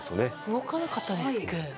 動かなかったんですっけ。